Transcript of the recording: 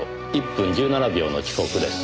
１分１７秒の遅刻です。